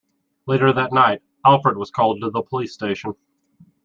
Later that night, Alfred was called to the police station.